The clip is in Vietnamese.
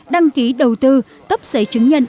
đăng ký đầu tư cấp giấy chứng nhận